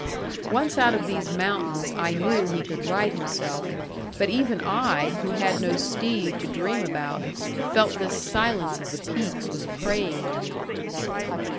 Once out of these mountains, I knew he could right himself; but even I, who had no Steve to dream about, felt this silence of the peaks was preying on me.